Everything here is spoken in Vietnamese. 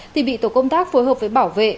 thì bị tổ công tác phối hợp với bảo vệ